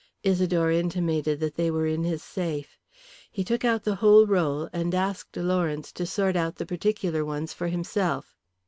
Isidore intimated that they were in his safe. He took out the whole roll, and asked Lawrence to sort out the particular ones for himself.